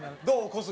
小杉。